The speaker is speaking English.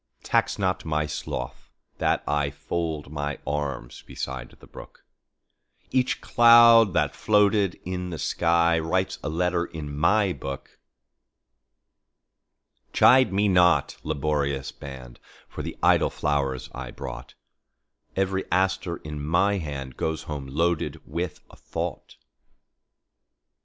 Tax not my sloth that IFold my arms beside the brook; Each cloud that floated in the skyWrites a letter in my book. Chide me not, laborious band, For the idle flowers I brought; Every aster in my handGoes home loaded with a thought.